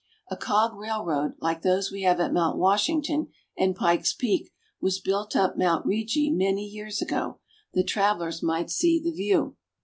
A cog railroad like those we have at Mount Washington and Pike's Peak was built up Mount Rigi many years ago, that travelers might see the view.